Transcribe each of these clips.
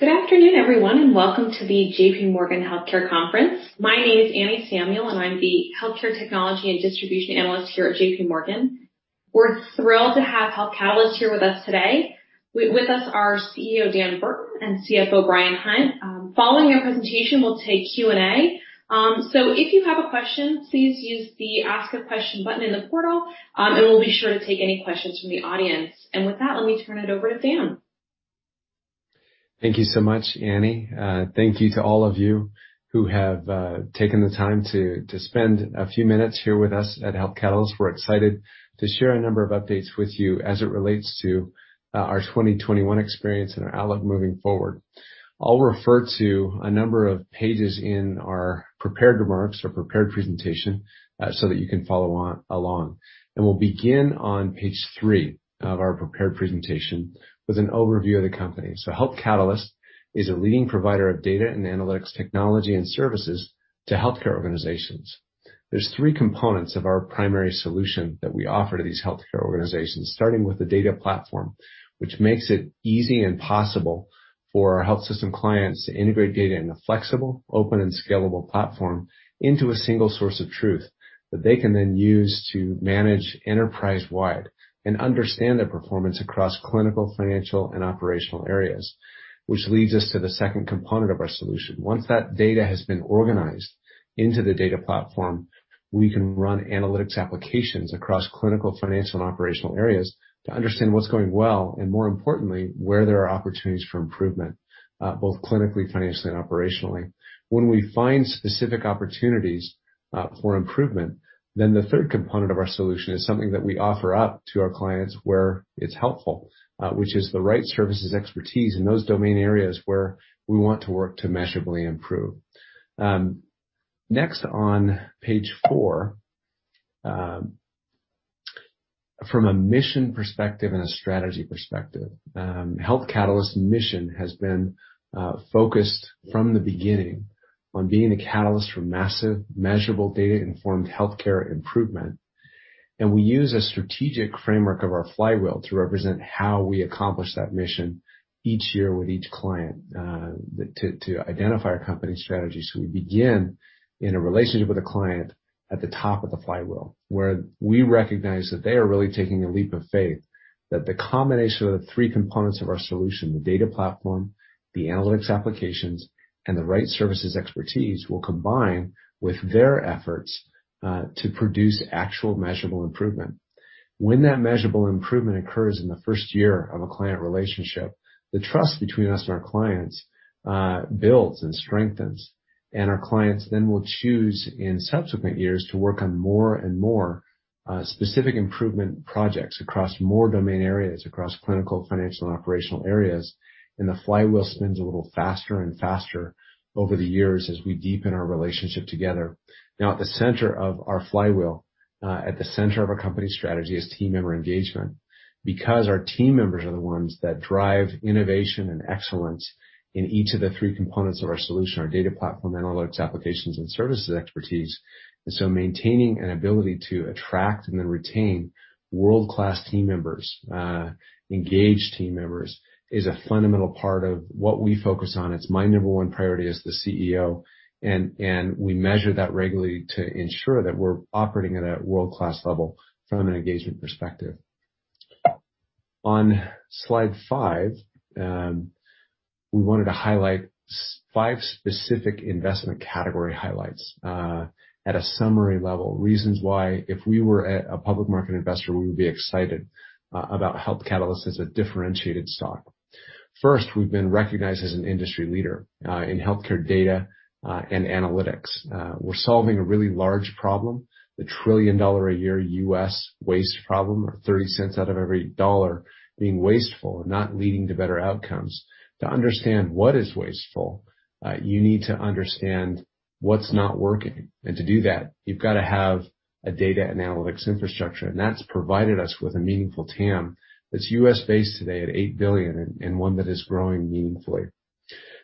Good afternoon, everyone, and welcome to the JPMorgan Healthcare Conference. My name is Anne Samuel, and I'm the healthcare technology and distribution analyst here at JPMorgan. We're thrilled to have Health Catalyst here with us today. With us are CEO Dan Burton and CFO Bryan Hunt. Following our presentation, we'll take Q&A. So if you have a question, please use the Ask a Question button in the portal, and we'll be sure to take any questions from the audience. With that, let me turn it over to Dan. Thank you so much, Anne. Thank you to all of you who have taken the time to spend a few minutes here with us at Health Catalyst. We're excited to share a number of updates with you as it relates to our 2021 experience and our outlook moving forward. I'll refer to a number of pages in our prepared remarks or prepared presentation so that you can follow along. We'll begin on page three of our prepared presentation with an overview of the company. Health Catalyst is a leading provider of data and analytics technology and services to healthcare organizations. There's three components of our primary solution that we offer to these healthcare organizations, starting with the data platform, which makes it easy and possible for our health system clients to integrate data in a flexible, open and scalable platform into a single source of truth that they can then use to manage enterprise-wide and understand their performance across clinical, financial and operational areas. Which leads us to the second component of our solution. Once that data has been organized into the data platform, we can run analytics applications across clinical, financial and operational areas to understand what's going well and more importantly, where there are opportunities for improvement, both clinically, financially and operationally. When we find specific opportunities for improvement, then the third component of our solution is something that we offer up to our clients where it's helpful, which is the right services expertise in those domain areas where we want to work to measurably improve. Next on page four. From a mission perspective and a strategy perspective, Health Catalyst's mission has been focused from the beginning on being a catalyst for massive, measurable, data-informed healthcare improvement. We use a strategic framework of our flywheel to represent how we accomplish that mission each year with each client to identify our company strategies. We begin in a relationship with a client at the top of the flywheel, where we recognize that they are really taking a leap of faith, that the combination of the three components of our solution, the data platform, the analytics applications, and the right services expertise, will combine with their efforts to produce actual measurable improvement. When that measurable improvement occurs in the first year of a client relationship, the trust between us and our clients builds and strengthens. Our clients then will choose in subsequent years to work on more and more specific improvement projects across more domain areas, across clinical, financial and operational areas. The flywheel spins a little faster and faster over the years as we deepen our relationship together. Now, at the center of our flywheel, at the center of our company strategy is team member engagement. Because our team members are the ones that drive innovation and excellence in each of the three components of our solution, our data platform, analytics applications and services expertise. Maintaining an ability to attract and then retain world-class team members, engaged team members, is a fundamental part of what we focus on. It's my number one priority as the CEO, and we measure that regularly to ensure that we're operating at a world-class level from an engagement perspective. On slide five, we wanted to highlight five specific investment category highlights at a summary level. Reasons why, if we were a public market investor, we would be excited about Health Catalyst as a differentiated stock. First, we've been recognized as an industry leader in healthcare data and analytics. We're solving a really large problem, the $1 trillion-a-year U.S. waste problem, or $0.30 out of every $1 being wasteful, not leading to better outcomes. To understand what is wasteful, you need to understand what's not working. To do that, you've got to have a data and analytics infrastructure, and that's provided us with a meaningful TAM that's U.S.-based today at $8 billion and one that is growing meaningfully.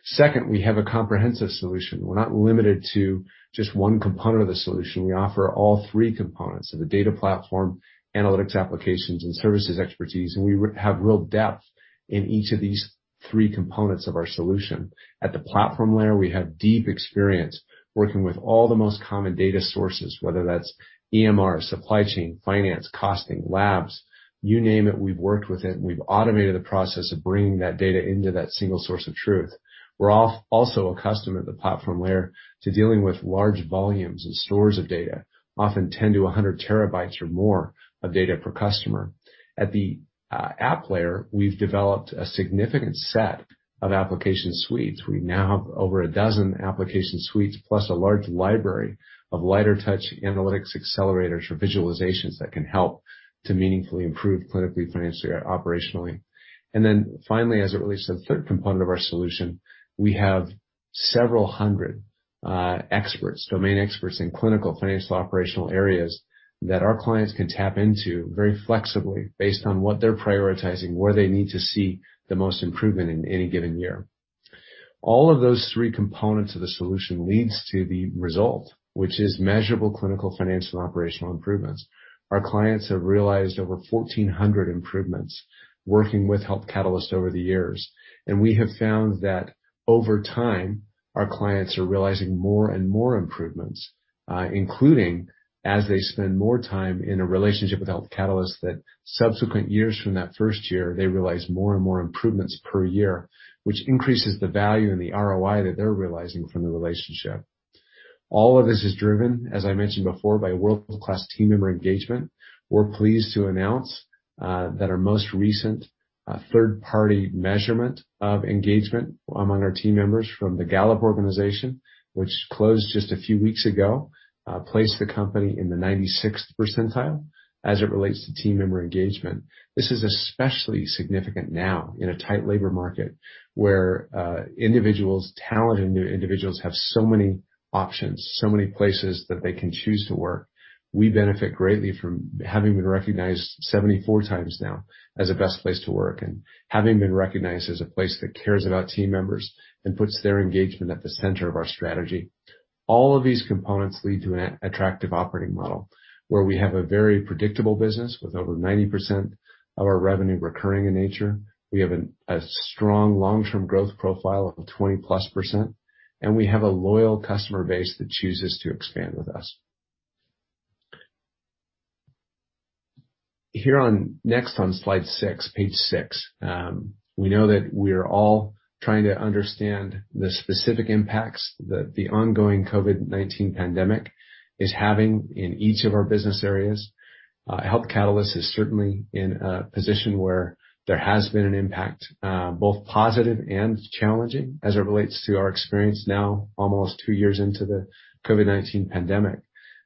Second, we have a comprehensive solution. We're not limited to just one component of the solution. We offer all three components of the data platform, analytics applications and services expertise, and we have real depth in each of these three components of our solution. At the platform layer, we have deep experience working with all the most common data sources, whether that's EMR, supply chain, finance, costing, labs. You name it, we've worked with it, and we've automated the process of bringing that data into that single source of truth. We're also accustomed at the platform layer to dealing with large volumes and stores of data, often 10 Tb-100 Tb or more of data per customer. At the app layer, we've developed a significant set of application suites. We now have over a dozen application suites, plus a large library of lighter touch analytics accelerators for visualizations that can help to meaningfully improve clinically, financially or operationally. Then finally, as it relates to the third component of our solution, we have several hundred, experts, domain experts in clinical, financial, operational areas that our clients can tap into very flexibly based on what they're prioritizing, where they need to see the most improvement in any given year. All of those three components of the solution leads to the result, which is measurable clinical, financial, operational improvements. Our clients have realized over 1,400 improvements working with Health Catalyst over the years. We have found that over time, our clients are realizing more and more improvements, including as they spend more time in a relationship with Health Catalyst, that subsequent years from that first year, they realize more and more improvements per year, which increases the value and the ROI that they're realizing from the relationship. All of this is driven, as I mentioned before, by world-class team member engagement. We're pleased to announce that our most recent third-party measurement of engagement among our team members from the Gallup organization, which closed just a few weeks ago, placed the company in the 96th percentile as it relates to team member engagement. This is especially significant now in a tight labor market where individuals, talented new individuals have so many options, so many places that they can choose to work. We benefit greatly from having been recognized 74x now as a best place to work and having been recognized as a place that cares about team members and puts their engagement at the center of our strategy. All of these components lead to an attractive operating model where we have a very predictable business with over 90% of our revenue recurring in nature. We have a strong long-term growth profile of 20%+, and we have a loyal customer base that chooses to expand with us. Next on slide six, page six. We know that we're all trying to understand the specific impacts that the ongoing COVID-19 pandemic is having in each of our business areas. Health Catalyst is certainly in a position where there has been an impact, both positive and challenging as it relates to our experience now, almost two years into the COVID-19 pandemic.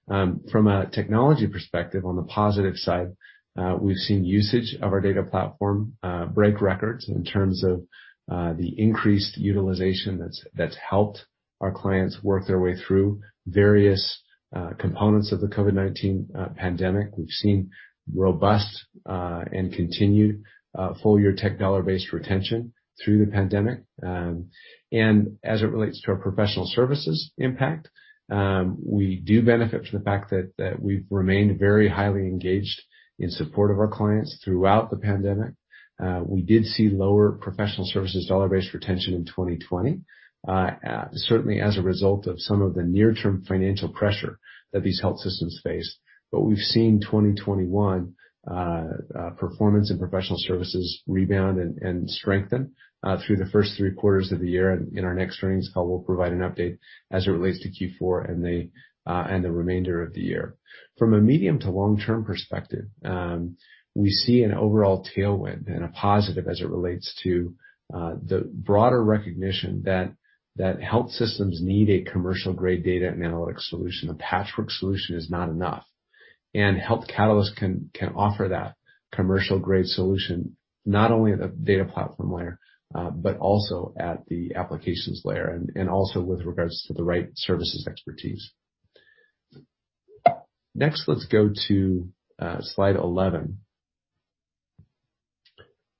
From a technology perspective, on the positive side, we've seen usage of our data platform break records in terms of the increased utilization that's helped our clients work their way through various components of the COVID-19 pandemic. We've seen robust and continued full-year tech dollar-based retention through the pandemic. As it relates to our professional services impact, we do benefit from the fact that we've remained very highly engaged in support of our clients throughout the pandemic. We did see lower professional services dollar-based retention in 2020, certainly as a result of some of the near-term financial pressure that these health systems faced. We've seen 2021 performance and professional services rebound and strengthen through the first three quarters of the year. In our next earnings call, we'll provide an update as it relates to Q4 and the remainder of the year. From a medium to long-term perspective, we see an overall tailwind and a positive as it relates to the broader recognition that health systems need a commercial-grade data and analytics solution. A patchwork solution is not enough. Health Catalyst can offer that commercial-grade solution not only at the data platform layer, but also at the applications layer and also with regards to the right services expertise. Next, let's go to slide 11,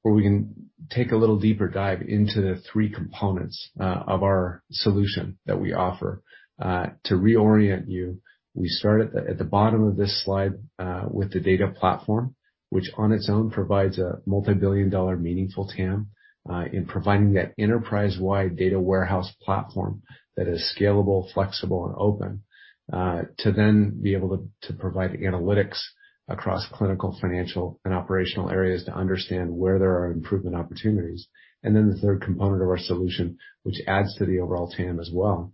where we can take a little deeper dive into the three components of our solution that we offer. To reorient you, we start at the bottom of this slide with the data platform, which on its own provides a multi-billion-dollar meaningful TAM in providing that enterprise-wide data warehouse platform that is scalable, flexible and open to then be able to provide analytics across clinical, financial and operational areas to understand where there are improvement opportunities. The third component of our solution, which adds to the overall TAM as well,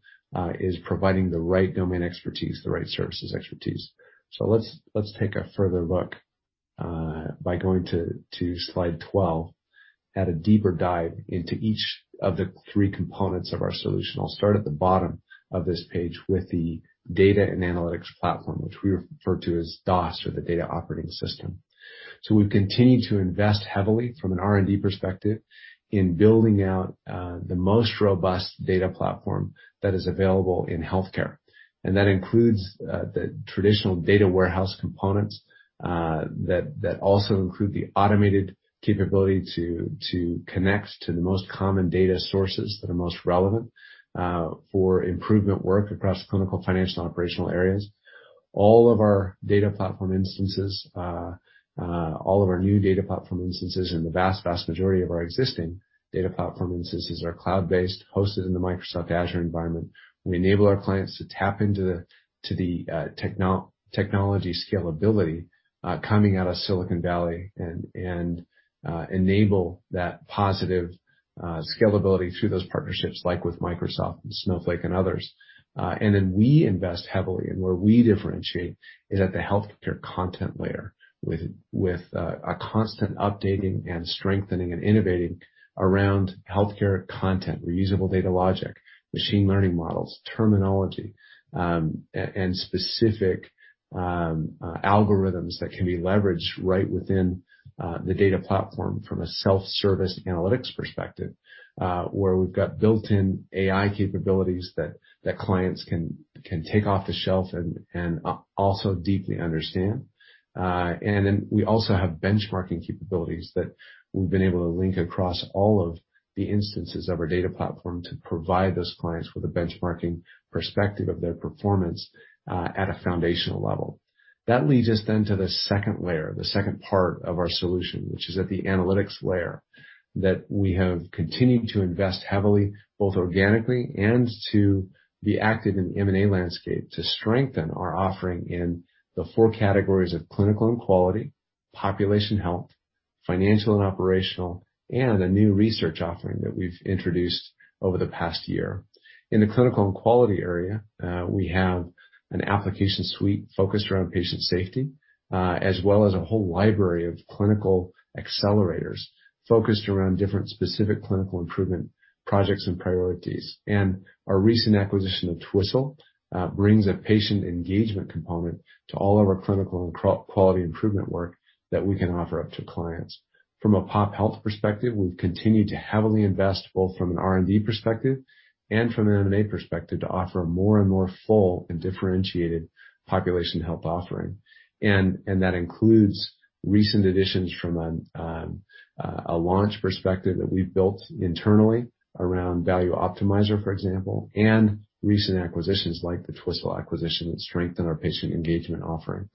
is providing the right domain expertise, the right services expertise. Let's take a further look by going to slide 12 at a deeper dive into each of the three components of our solution. I'll start at the bottom of this page with the data and analytics platform, which we refer to as DOS or the Data Operating System. We've continued to invest heavily from an R&D perspective in building out the most robust data platform that is available in healthcare. That includes the traditional data warehouse components that also include the automated capability to connect to the most common data sources that are most relevant for improvement work across clinical, financial, and operational areas. All of our new data platform instances and the vast majority of our existing data platform instances are cloud-based, hosted in the Microsoft Azure environment. We enable our clients to tap into the technology scalability coming out of Silicon Valley and enable that positive scalability through those partnerships, like with Microsoft and Snowflake and others. We invest heavily, and where we differentiate is at the healthcare content layer with a constant updating and strengthening and innovating around healthcare content, reusable data logic, machine learning models, terminology, and specific algorithms that can be leveraged right within the data platform from a self-service analytics perspective, where we've got built-in AI capabilities that clients can take off the shelf and also deeply understand. We also have benchmarking capabilities that we've been able to link across all of the instances of our data platform to provide those clients with a benchmarking perspective of their performance at a foundational level. That leads us then to the second layer, the second part of our solution, which is at the analytics layer that we have continued to invest heavily, both organically and to be active in the M&A landscape to strengthen our offering in the four categories of clinical and quality, population health, financial and operational, and a new research offering that we've introduced over the past year. In the clinical and quality area, we have an application suite focused around patient safety, as well as a whole library of clinical accelerators focused around different specific clinical improvement projects and priorities. Our recent acquisition of Twistle brings a patient engagement component to all of our clinical and quality improvement work that we can offer up to clients. From a Pop Health perspective, we've continued to heavily invest both from an R&D perspective and from an M&A perspective to offer a more and more full and differentiated population health offering. That includes recent additions from a launch perspective that we've built internally around Value Optimizer, for example, and recent acquisitions like the Twistle acquisition that strengthen our patient engagement offering.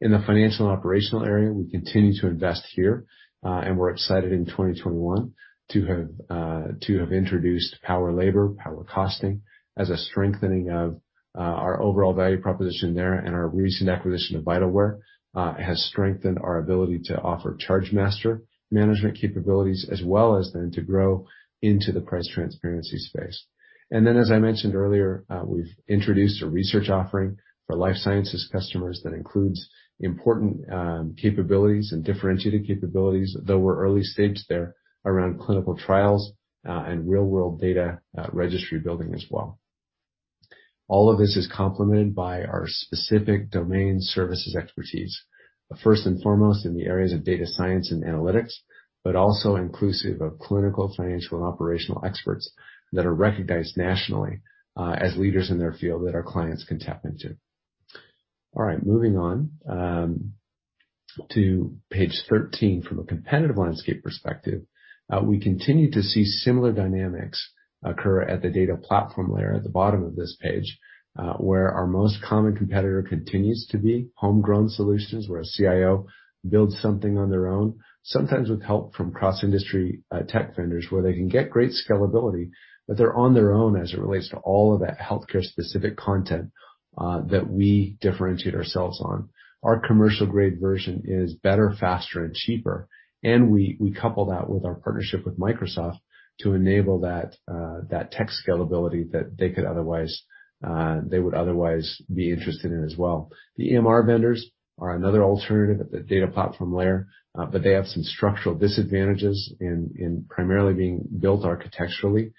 In the financial and operational area, we continue to invest here, and we're excited in 2021 to have introduced PowerLabor, PowerCosting as a strengthening of our overall value proposition there, and our recent acquisition of Vitalware has strengthened our ability to offer chargemaster management capabilities as well as then to grow into the price transparency space. Then as I mentioned earlier, we've introduced a research offering for life sciences customers that includes important capabilities and differentiated capabilities, though we're early stage there, around clinical trials and real-world data, registry building as well. All of this is complemented by our specific domain services expertise. First and foremost in the areas of data science and analytics, but also inclusive of clinical, financial, and operational experts that are recognized nationally as leaders in their field that our clients can tap into. All right, moving on to page thirteen. From a competitive landscape perspective, we continue to see similar dynamics occur at the data platform layer at the bottom of this page, where our most common competitor continues to be homegrown solutions, where a CIO builds something on their own, sometimes with help from cross-industry, tech vendors, where they can get great scalability, but they're on their own as it relates to all of that healthcare-specific content, that we differentiate ourselves on. Our commercial-grade version is better, faster, and cheaper, and we couple that with our partnership with Microsoft to enable that tech scalability that they would otherwise be interested in as well. The EMR vendors are another alternative at the data platform layer, but they have some structural disadvantages in primarily being built architecturally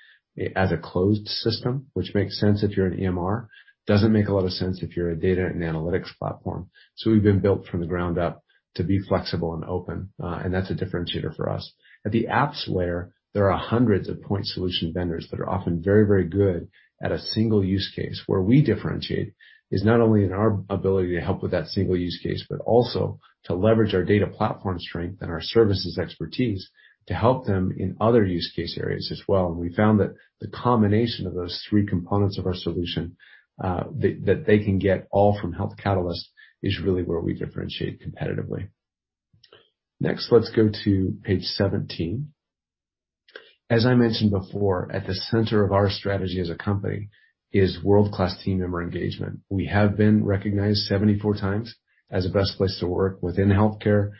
as a closed system, which makes sense if you're an EMR. Doesn't make a lot of sense if you're a data and analytics platform. We've been built from the ground up to be flexible and open, and that's a differentiator for us. At the apps layer, there are hundreds of point solution vendors that are often very, very good at a single use case. Where we differentiate is not only in our ability to help with that single use case, but also to leverage our data platform strength and our services expertise to help them in other use case areas as well. We found that the combination of those three components of our solution, that they can get all from Health Catalyst is really where we differentiate competitively. Next, let's go to page 17. As I mentioned before, at the center of our strategy as a company is world-class team member engagement. We have been recognized 74x as a best place to work within healthcare,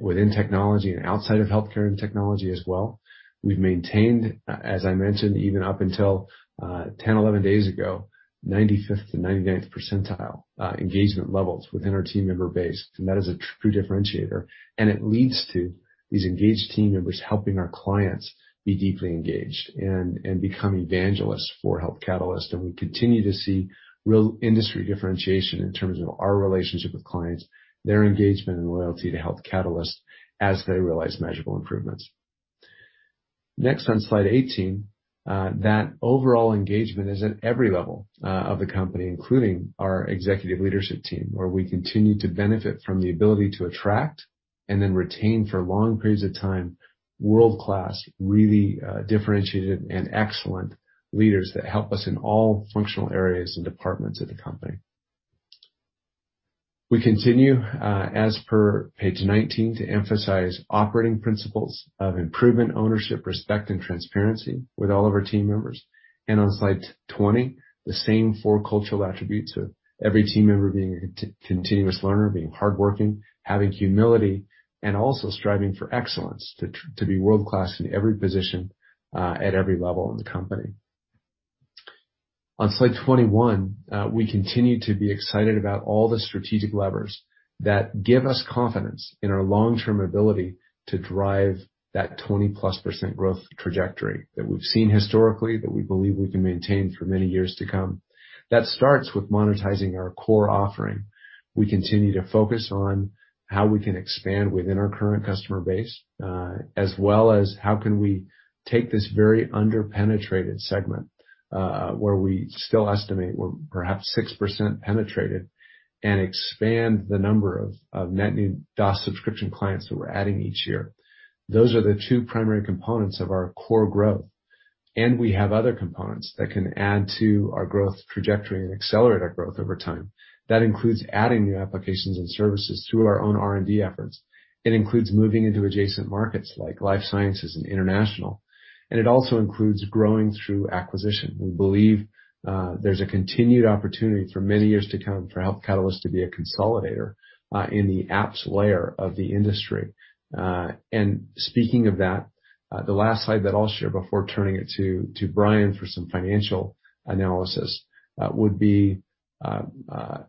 within technology, and outside of healthcare and technology as well. We've maintained, as I mentioned, even up until, 10, 11 days ago, 95th to 99th percentile engagement levels within our team member base. That is a true differentiator, and it leads to these engaged team members helping our clients be deeply engaged and become evangelists for Health Catalyst. We continue to see real industry differentiation in terms of our relationship with clients, their engagement and loyalty to Health Catalyst as they realize measurable improvements. Next on slide 18, that overall engagement is at every level of the company, including our executive leadership team, where we continue to benefit from the ability to attract and then retain for long periods of time, world-class, really, differentiated and excellent leaders that help us in all functional areas and departments of the company. We continue, as per page 19, to emphasize operating principles of improvement, ownership, respect, and transparency with all of our team members. On slide 20, the same four cultural attributes of every team member being a continuous learner, being hardworking, having humility, and also striving for excellence to be world-class in every position at every level in the company. On slide 21, we continue to be excited about all the strategic levers that give us confidence in our long-term ability to drive that 20%+ growth trajectory that we've seen historically, that we believe we can maintain for many years to come. That starts with monetizing our core offering. We continue to focus on how we can expand within our current customer base, as well as how can we take this very under-penetrated segment, where we still estimate we're perhaps 6% penetrated, and expand the number of net new DaaS subscription clients that we're adding each year. Those are the two primary components of our core growth. We have other components that can add to our growth trajectory and accelerate our growth over time. That includes adding new applications and services through our own R&D efforts. It includes moving into adjacent markets like life sciences and international, and it also includes growing through acquisition. We believe there's a continued opportunity for many years to come for Health Catalyst to be a consolidator in the apps layer of the industry. Speaking of that, the last slide that I'll share before turning it to Bryan for some financial analysis would be an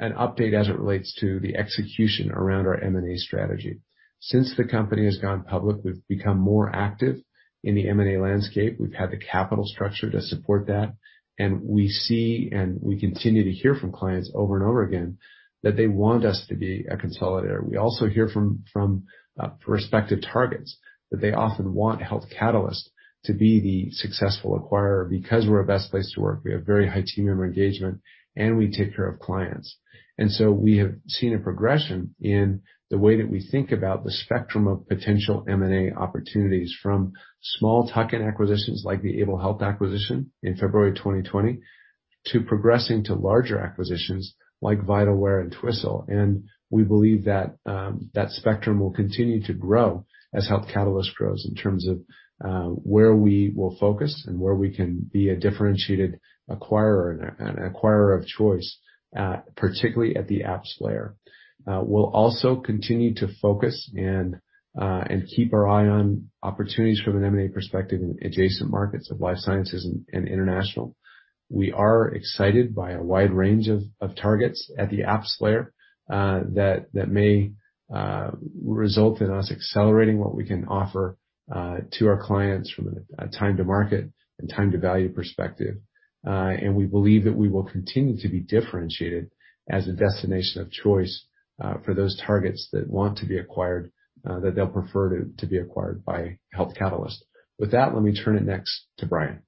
update as it relates to the execution around our M&A strategy. Since the company has gone public, we've become more active in the M&A landscape. We've had the capital structure to support that, and we see, and we continue to hear from clients over and over again that they want us to be a consolidator. We also hear from prospective targets that they often want Health Catalyst to be the successful acquirer because we're a best place to work, we have very high team member engagement, and we take care of clients. We have seen a progression in the way that we think about the spectrum of potential M&A opportunities from small tuck-in acquisitions like the Able Health acquisition in February 2020, to progressing to larger acquisitions like Vitalware and Twistle. We believe that spectrum will continue to grow as Health Catalyst grows in terms of where we will focus and where we can be a differentiated acquirer and acquirer of choice, particularly at the apps layer. We'll also continue to focus and keep our eye on opportunities from an M&A perspective in adjacent markets of life sciences and international. We are excited by a wide range of targets at the apps layer that may result in us accelerating what we can offer to our clients from a time to market and time to value perspective. We believe that we will continue to be differentiated as a destination of choice for those targets that want to be acquired that they'll prefer to be acquired by Health Catalyst. With that, let me turn it next to Bryan.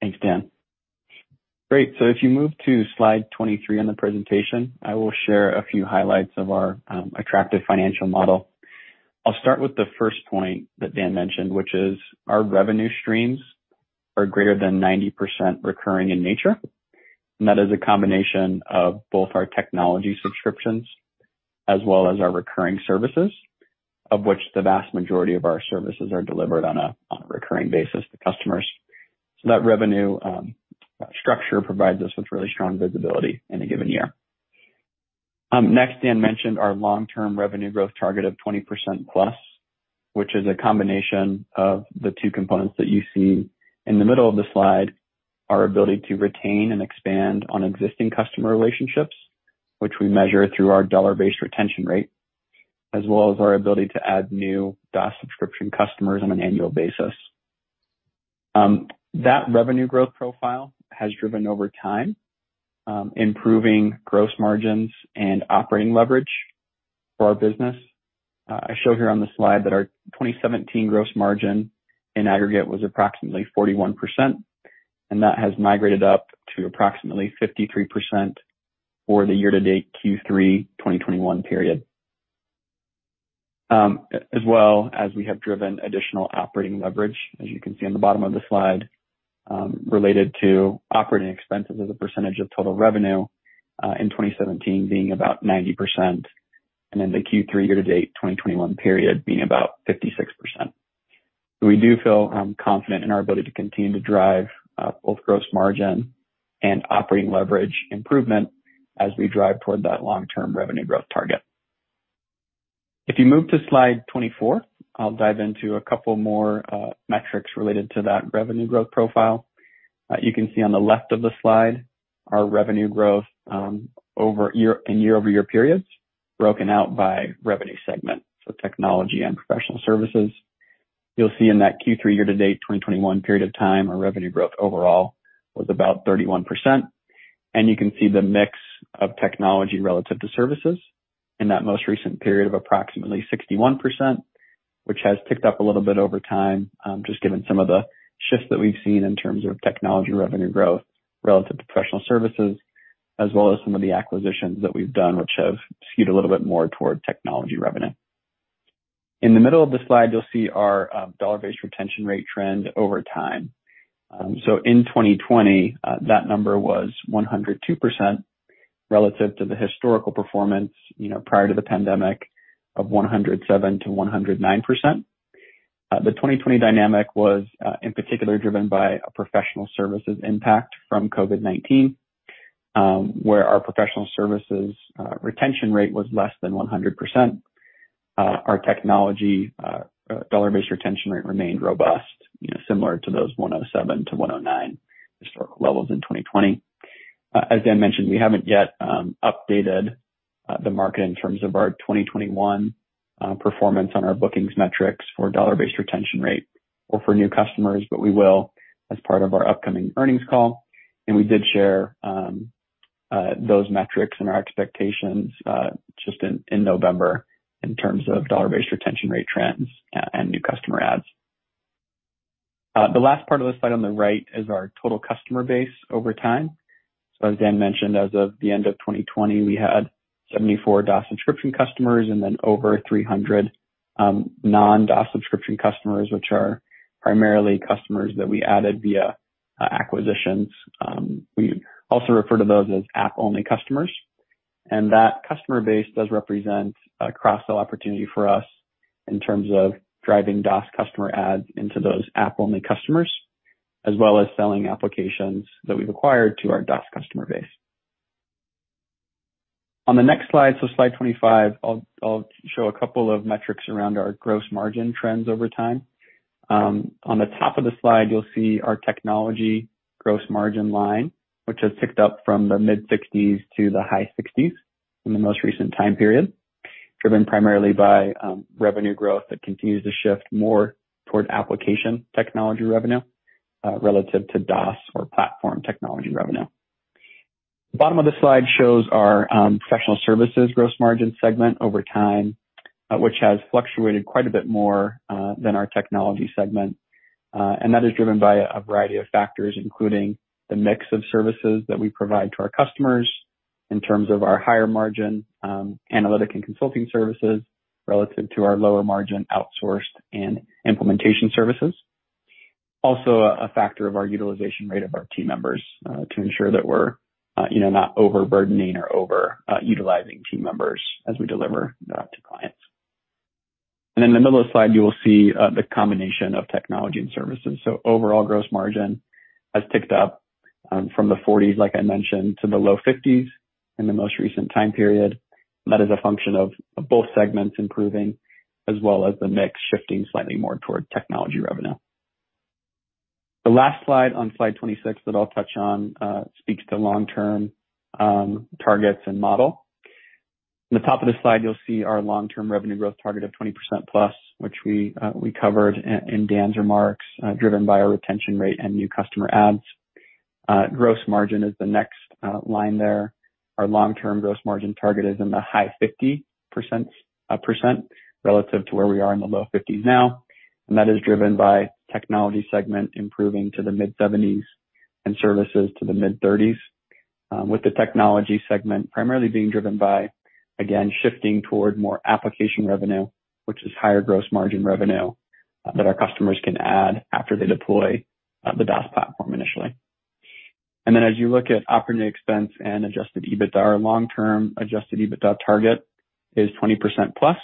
Thanks, Dan. Great. If you move to slide 23 on the presentation, I will share a few highlights of our attractive financial model. I'll start with the first point that Dan mentioned, which is our revenue streams are greater than 90% recurring in nature, and that is a combination of both our technology subscriptions as well as our recurring services, of which the vast majority of our services are delivered on a recurring basis to customers. That revenue structure provides us with really strong visibility in a given year. Next, Dan mentioned our long-term revenue growth target of 20%+, which is a combination of the two components that you see in the middle of the slide. Our ability to retain and expand on existing customer relationships, which we measure through our dollar-based retention rate, as well as our ability to add new DaaS subscription customers on an annual basis. That revenue growth profile has driven over time improving gross margins and operating leverage for our business. I show here on the slide that our 2017 gross margin in aggregate was approximately 41%, and that has migrated up to approximately 53% for the year to date Q3 2021 period. As well as we have driven additional operating leverage, as you can see on the bottom of the slide, related to operating expenses as a percentage of total revenue, in 2017 being about 90%, and then the Q3 year to date 2021 period being about 56%. We do feel confident in our ability to continue to drive both gross margin and operating leverage improvement as we drive toward that long-term revenue growth target. If you move to slide 24, I'll dive into a couple more metrics related to that revenue growth profile. You can see on the left of the slide our revenue growth over year-over-year periods broken out by revenue segment, so technology and professional services. You'll see in that Q3 year-to-date 2021 period of time, our revenue growth overall was about 31%. You can see the mix of technology relative to services in that most recent period of approximately 61%, which has ticked up a little bit over time, just given some of the shifts that we've seen in terms of technology revenue growth relative to professional services, as well as some of the acquisitions that we've done which have skewed a little bit more toward technology revenue. In the middle of the slide, you'll see our dollar-based retention rate trend over time. In 2020, that number was 102% relative to the historical performance, you know, prior to the pandemic of 107%-109%. The 2020 dynamic was in particular driven by a professional services impact from COVID-19, where our professional services retention rate was less than 100%. Our technology dollar-based retention rate remained robust, you know, similar to those 107%-109% historical levels in 2020. As Dan mentioned, we haven't yet updated the market in terms of our 2021 performance on our bookings metrics for dollar-based retention rate or for new customers, but we will as part of our upcoming earnings call. We did share those metrics and our expectations just in November in terms of dollar-based retention rate trends and new customer adds. The last part of the slide on the right is our total customer base over time. As Dan mentioned, as of the end of 2020, we had 74 DaaS subscription customers and then over 300 non-DaaS subscription customers, which are primarily customers that we added via acquisitions. We also refer to those as app-only customers. That customer base does represent a cross-sell opportunity for us in terms of driving DaaS customer adds into those app-only customers, as well as selling applications that we've acquired to our DaaS customer base. On the next slide, so slide 25, I'll show a couple of metrics around our gross margin trends over time. On the top of the slide, you'll see our technology gross margin line, which has ticked up from the mid-60s% to the high 60s% in the most recent time period, driven primarily by revenue growth that continues to shift more toward application technology revenue relative to DaaS or platform technology revenue. The bottom of this slide shows our professional services gross margin segment over time, which has fluctuated quite a bit more than our technology segment. That is driven by a variety of factors, including the mix of services that we provide to our customers in terms of our higher margin analytic and consulting services relative to our lower margin outsourced and implementation services. Also a factor of our utilization rate of our team members to ensure that we're not overburdening or over utilizing team members as we deliver that to clients. In the middle of the slide, you will see the combination of technology and services. Overall gross margin has ticked up from the 40s, like I mentioned, to the low 50s in the most recent time period. That is a function of both segments improving as well as the mix shifting slightly more toward technology revenue. The last slide, on slide 26, that I'll touch on speaks to long-term targets and model. In the top of the slide you'll see our long-term revenue growth target of 20%+, which we covered in Dan's remarks, driven by our retention rate and new customer adds. Gross margin is the next line there. Our long-term gross margin target is in the high 50s% relative to where we are in the low 50s now. That is driven by technology segment improving to the mid-70s and services to the mid-30s. With the technology segment primarily being driven by, again, shifting toward more application revenue, which is higher gross margin revenue that our customers can add after they deploy the DaaS platform initially. As you look at operating expense and adjusted EBITDA, our long-term adjusted EBITDA target is 20%+.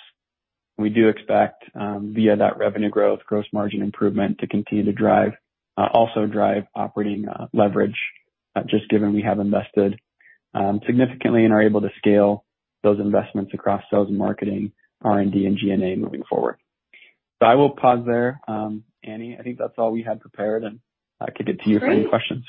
We do expect via that revenue growth, gross margin improvement to continue to drive operating leverage just given we have invested significantly and are able to scale those investments across sales and marketing, R&D, and G&A moving forward. I will pause there. Anne, I think that's all we had prepared, and I kick it to you for any questions.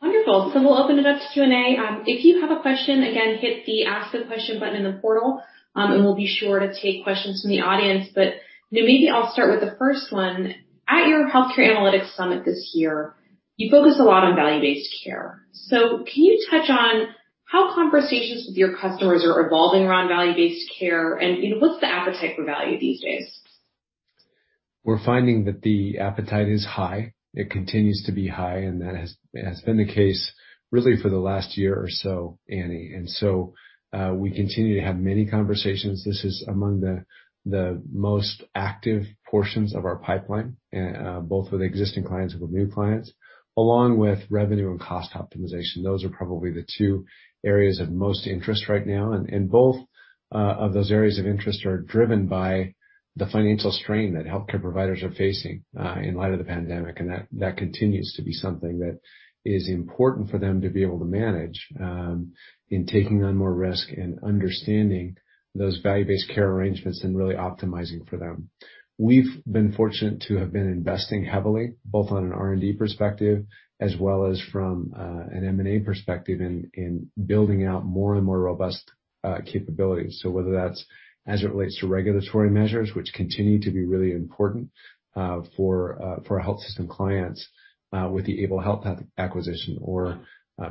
Great. Wonderful. We'll open it up to Q&A. If you have a question, again, hit the Ask the Question button in the portal, and we'll be sure to take questions from the audience. You know, maybe I'll start with the first one. At your Healthcare Analytics Summit this year, you focused a lot on value-based care. Can you touch on how conversations with your customers are evolving around value-based care and, you know, what's the appetite for value these days? We're finding that the appetite is high. It continues to be high, and that has been the case really for the last year or so, Anne. We continue to have many conversations. This is among the most active portions of our pipeline, both with existing clients and with new clients, along with revenue and cost optimization. Those are probably the two areas of most interest right now. Both of those areas of interest are driven by the financial strain that healthcare providers are facing in light of the pandemic. That continues to be something that is important for them to be able to manage in taking on more risk and understanding those value-based care arrangements and really optimizing for them. We've been fortunate to have been investing heavily, both on an R&D perspective as well as from an M&A perspective in building out more and more robust capabilities. Whether that's as it relates to regulatory measures, which continue to be really important for our health system clients with the Able Health acquisition or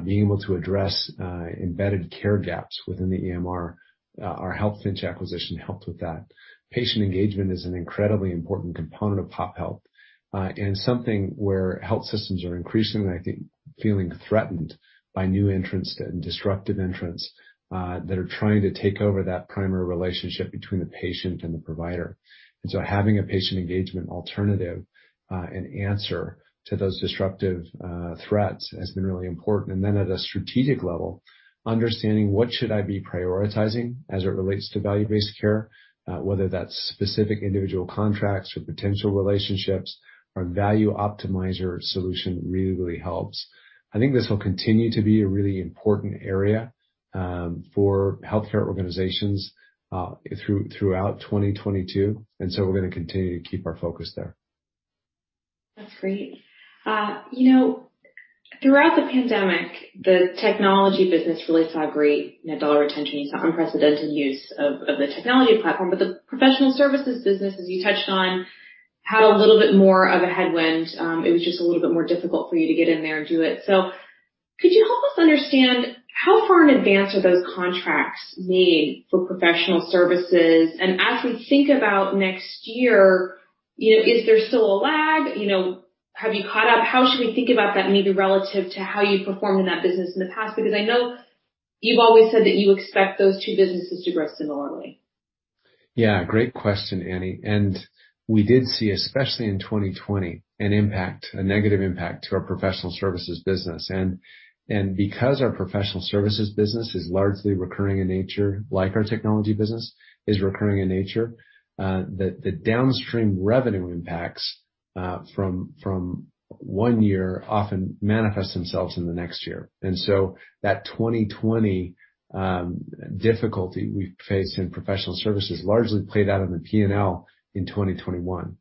being able to address embedded care gaps within the EMR. Our Healthfinch acquisition helped with that. Patient engagement is an incredibly important component of Pop Health and something where health systems are increasingly, I think, feeling threatened by new entrants and disruptive entrants that are trying to take over that primary relationship between the patient and the provider. Having a patient engagement alternative and answer to those disruptive threats has been really important. At a strategic level, understanding what should I be prioritizing as it relates to value-based care, whether that's specific individual contracts or potential relationships, our Value Optimizer solution really, really helps. I think this will continue to be a really important area, for healthcare organizations, throughout 2022, and so we're gonna continue to keep our focus there. That's great. You know, throughout the pandemic, the technology business really saw great net dollar retention. You saw unprecedented use of the technology platform, but the professional services business, as you touched on, had a little bit more of a headwind. It was just a little bit more difficult for you to get in there and do it. Could you help us understand how far in advance are those contracts made for professional services? As we think about next year, you know, is there still a lag? You know, have you caught up? How should we think about that maybe relative to how you've performed in that business in the past? Because I know you've always said that you expect those two businesses to grow similarly. Yeah, great question, Anne. We did see, especially in 2020, an impact, a negative impact to our professional services business. Because our professional services business is largely recurring in nature, like our technology business is recurring in nature, the downstream revenue impacts from one year often manifest themselves in the next year. That 2020 difficulty we faced in professional services largely played out in the P&L in 2021.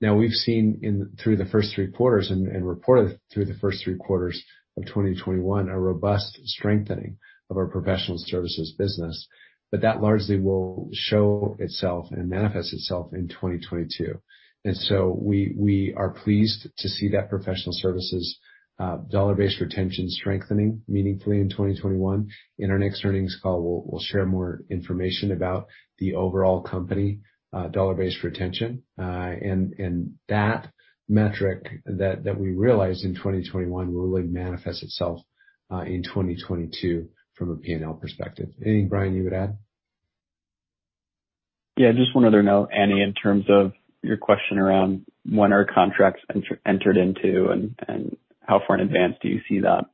Now we've seen through the first three quarters and reported through the first three quarters of 2021, a robust strengthening of our professional services business. That largely will show itself and manifest itself in 2022. We are pleased to see that professional services dollar-based retention strengthening meaningfully in 2021. In our next earnings call, we'll share more information about the overall company dollar-based retention. That metric that we realized in 2021 will really manifest itself in 2022 from a P&L perspective. Anything, Bryan, you would add? Yeah, just one other note, Anne, in terms of your question around when are contracts entered into and how far in advance do you see that?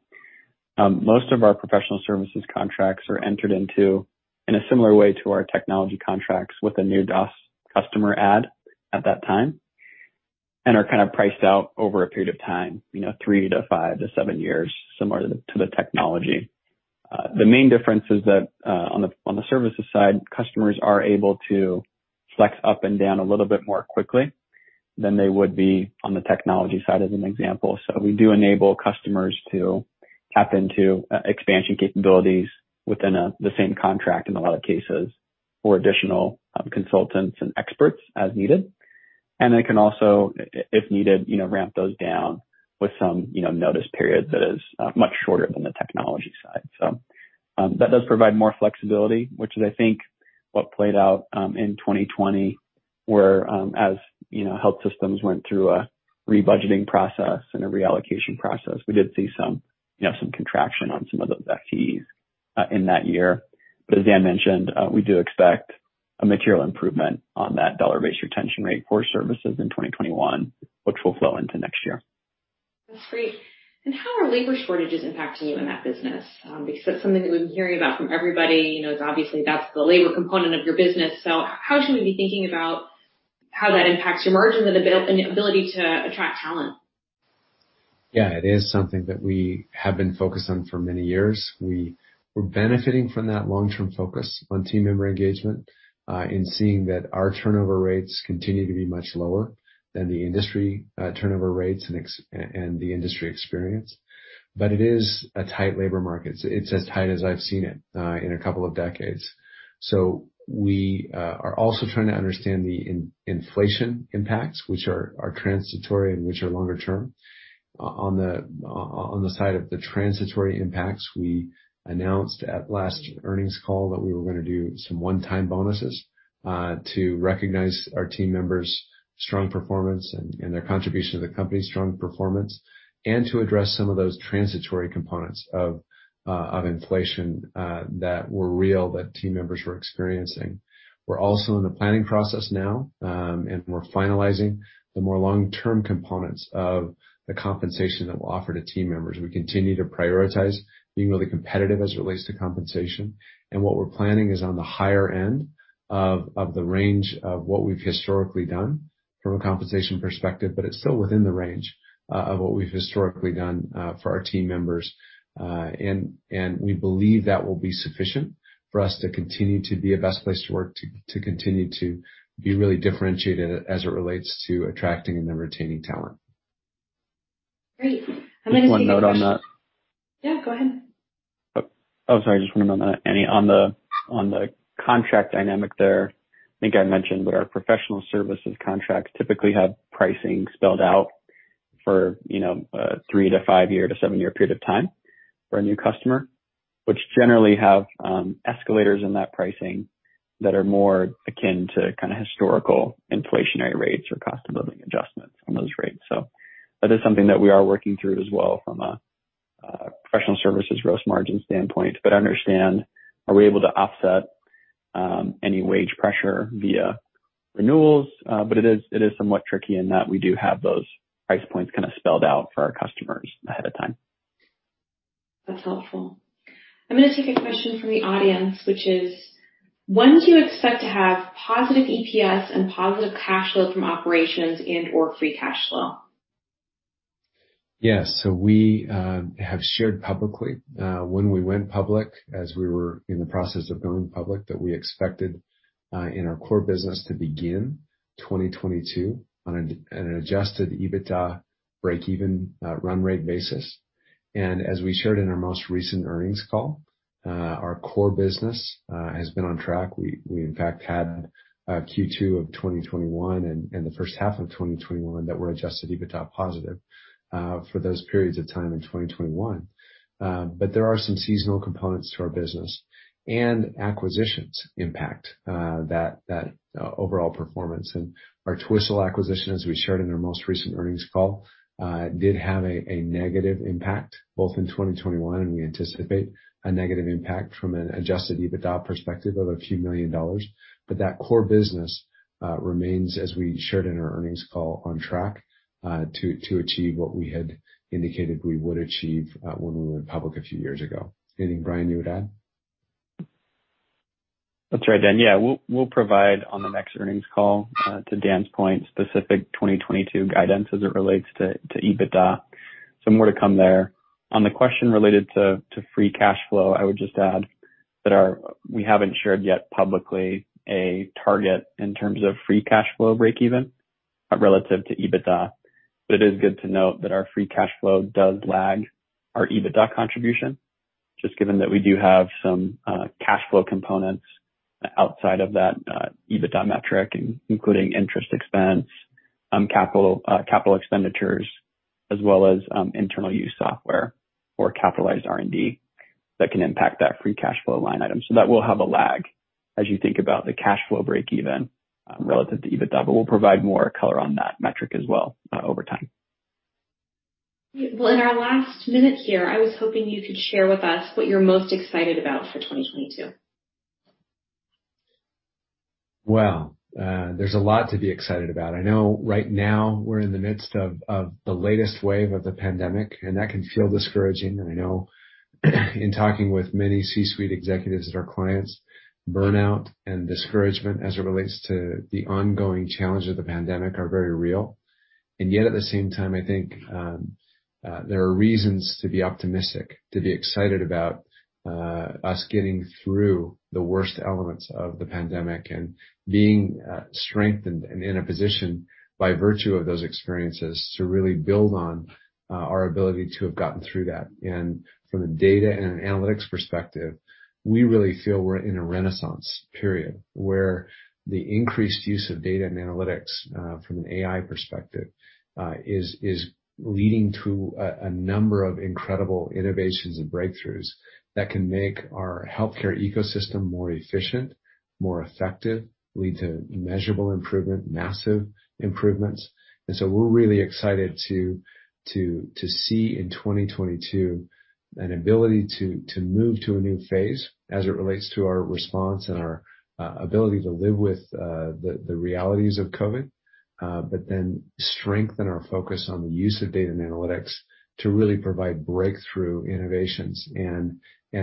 Most of our professional services contracts are entered into in a similar way to our technology contracts with a new DOS customer add at that time, and are kind of priced out over a period of time, you know three to five to seven years, similar to the technology. The main difference is that on the services side, customers are able to flex up and down a little bit more quickly than they would be on the technology side as an example. We do enable customers to tap into expansion capabilities within the same contract in a lot of cases for additional consultants and experts as needed. They can also, if needed, you know, ramp those down with some, you know, notice period that is much shorter than the technology side. That does provide more flexibility, which is, I think, what played out in 2020, where, as you know, health systems went through a rebudgeting process and a reallocation process. We did see some, you know, some contraction on some of those FTEs in that year. As Dan mentioned, we do expect a material improvement on that dollar-based retention rate for services in 2021, which will flow into next year. That's great. How are labor shortages impacting you in that business? Because that's something that we've been hearing about from everybody. You know, obviously, that's the labor component of your business. How should we be thinking about how that impacts your margins and ability to attract talent? Yeah, it is something that we have been focused on for many years. We were benefiting from that long-term focus on team member engagement in seeing that our turnover rates continue to be much lower than the industry turnover rates and the industry experience. It is a tight labor market. It's as tight as I've seen it in a couple of decades. We are also trying to understand the inflation impacts which are transitory and which are longer term. On the side of the transitory impacts, we announced at last year's earnings call that we were gonna do some one-time bonuses to recognize our team members' strong performance and their contribution to the company's strong performance, and to address some of those transitory components of inflation that were real that team members were experiencing. We're also in the planning process now, and we're finalizing the more long-term components of the compensation that we'll offer to team members. We continue to prioritize being really competitive as it relates to compensation. What we're planning is on the higher end of the range of what we've historically done from a compensation perspective, but it's still within the range of what we've historically done for our team members. We believe that will be sufficient for us to continue to be a best place to work, to continue to be really differentiated as it relates to attracting and then retaining talent. Great. I'm gonna take a question. Just one note on that. Yeah, go ahead. Oh, sorry. Just one note on that, Anne. On the contract dynamic there, I think I mentioned that our professional services contracts typically have pricing spelled out for, you know, three- to five-year to seven-year period of time for a new customer, which generally have escalators in that pricing that are more akin to kinda historical inflationary rates or cost of living adjustments on those rates. That is something that we are working through as well from a professional services gross margin standpoint. But understand, are we able to offset any wage pressure via renewals? But it is somewhat tricky in that we do have those price points kinda spelled out for our customers ahead of time. That's helpful. I'm gonna take a question from the audience, which is: When do you expect to have positive EPS and positive cash flow from operations and/or free cash flow? Yes. We have shared publicly, when we went public, as we were in the process of going public, that we expected, in our core business to begin 2022 on an adjusted EBITDA breakeven run rate basis. As we shared in our most recent earnings call, our core business has been on track. We in fact had Q2 of 2021 and the first half of 2021 that were adjusted EBITDA positive for those periods of time in 2021. There are some seasonal components to our business, and acquisitions impact that overall performance. Our Twistle acquisition, as we shared in our most recent earnings call, did have a negative impact both in 2021, and we anticipate a negative impact from an adjusted EBITDA perspective of a few million dollars. That core business remains, as we shared in our earnings call, on track to achieve what we had indicated we would achieve when we went public a few years ago. Anything, Bryan, you would add? That's right, Dan. Yeah, we'll provide on the next earnings call to Dan's point specific 2022 guidance as it relates to EBITDA. More to come there. On the question related to free cash flow, I would just add that we haven't shared yet publicly a target in terms of free cash flow breakeven relative to EBITDA. It is good to note that our free cash flow does lag our EBITDA contribution, just given that we do have some cash flow components outside of that EBITDA metric, including interest expense, capital expenditures, as well as internal use software or capitalized R&D that can impact that free cash flow line item. That will have a lag as you think about the cash flow breakeven relative to EBITDA. We'll provide more color on that metric as well, over time. Well, in our last minute here, I was hoping you could share with us what you're most excited about for 2022. Well, there's a lot to be excited about. I know right now we're in the midst of the latest wave of the pandemic, and that can feel discouraging. I know in talking with many C-suite executives that are clients, burnout and discouragement as it relates to the ongoing challenge of the pandemic are very real. Yet, at the same time, I think there are reasons to be optimistic, to be excited about us getting through the worst elements of the pandemic and being strengthened and in a position by virtue of those experiences to really build on our ability to have gotten through that. From a data and an analytics perspective, we really feel we're in a renaissance period, where the increased use of data and analytics from an AI perspective is leading to a number of incredible innovations and breakthroughs that can make our healthcare ecosystem more efficient, more effective, lead to measurable improvement, massive improvements. We're really excited to see in 2022 an ability to move to a new phase as it relates to our response and our ability to live with the realities of COVID. Then strengthen our focus on the use of data and analytics to really provide breakthrough innovations and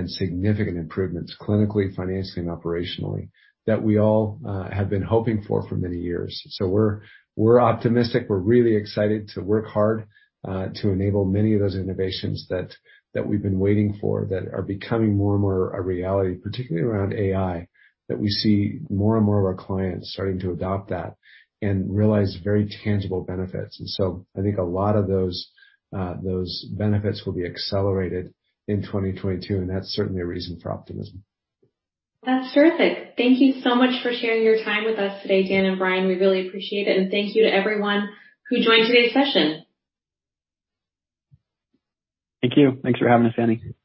significant improvements clinically, financially, and operationally that we all have been hoping for many years. We're optimistic. We're really excited to work hard to enable many of those innovations that we've been waiting for that are becoming more and more a reality, particularly around AI, that we see more and more of our clients starting to adopt that and realize very tangible benefits. I think a lot of those benefits will be accelerated in 2022, and that's certainly a reason for optimism. That's terrific. Thank you so much for sharing your time with us today, Dan and Bryan. We really appreciate it, and thank you to everyone who joined today's session. Thank you. Thanks for having us, Anne.